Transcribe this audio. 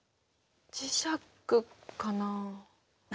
磁石かなあ。